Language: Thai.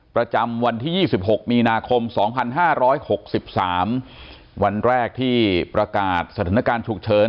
ประจำวันที่๒๖มีนาคม๒๕๖๓วันแรกที่ประกาศสถานการณ์ฉุกเฉิน